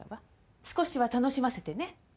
少しは楽しませてね。